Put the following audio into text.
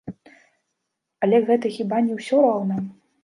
Але гэта хіба не ўсё роўна?